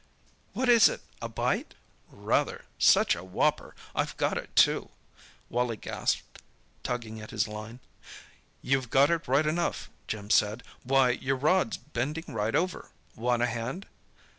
"What is it—a bite?" "Rather—such a whopper! I've got it, too," Wally gasped, tugging at his line. "You've got it, right enough," Jim said. "Why, your rod's bending right over. Want a hand?"